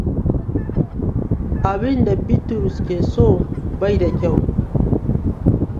Abinda Bitrus ke so bai da kyau.